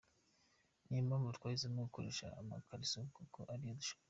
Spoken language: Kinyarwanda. Niyo mpamvu twahisemo gukoresha amakariso kuko ariyo dushaka.